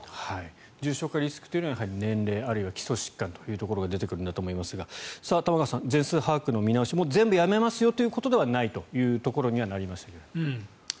重症化リスクというのは年齢、あるいは基礎疾患というところが出てくるんだと思いますが玉川さん全数把握の見直し全部やめますよということではないというところにはなりました。